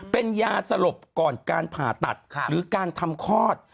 เป็นยาสลบก่อนการผ่าตัดหรือการทำคลอด